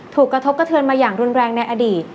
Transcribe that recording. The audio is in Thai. กระทบกระเทือนมาอย่างรุนแรงในอดีต